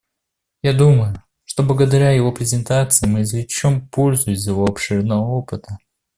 Я думаю, что благодаря его презентации мы извлечем пользу из его обширного опыта.